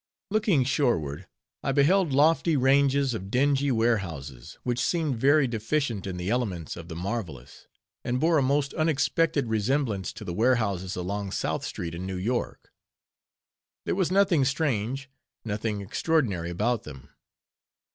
Looking shoreward, I beheld lofty ranges of dingy warehouses, which seemed very deficient in the elements of the marvelous; and bore a most unexpected resemblance to the ware houses along South street in New York. There was nothing strange; nothing extraordinary about them.